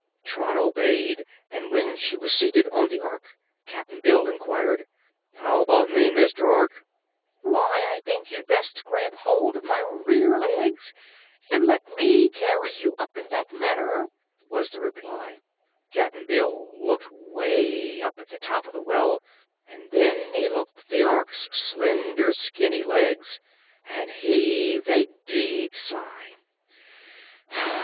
Trot obeyed and when she was seated on the Ork, Cap'n Bill inquired: "How 'bout me, Mr. Ork?" "Why, I think you'd best grab hold of my rear legs and let me carry you up in that manner," was the reply. Cap'n Bill looked way up at the top of the well, and then he looked at the Ork's slender, skinny legs and heaved a deep sigh.